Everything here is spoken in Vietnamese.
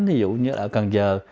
ví dụ như là ở cần giờ